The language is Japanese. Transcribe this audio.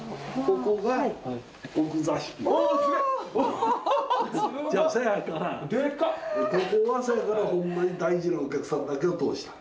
ここはそやからほんまに大事なお客さんだけを通した。